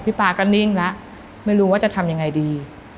ป๊าก็นิ่งแล้วไม่รู้ว่าจะทำยังไงดี